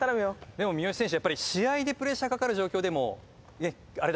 でも三好選手やっぱり試合でプレッシャーかかる状況でもあれだけの成功率ですから。